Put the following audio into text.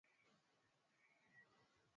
karne ya tisa Waturuki wa Oghuz wanaoishi Asia